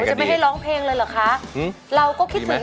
คุณแม่รู้สึกยังไงในตัวของกุ้งอิงบ้าง